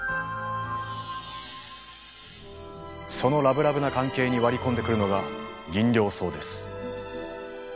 そのラブラブな関係に割り込んでくるのがギンリョウソウです。